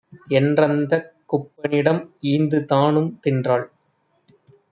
என்றந்தக் குப்பனிடம் ஈந்துதா னும்தின்றாள்.